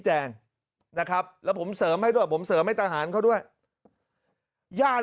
แจงนะครับแล้วผมเสริมให้ด้วยผมเสริมให้ทหารเขาด้วยญาติ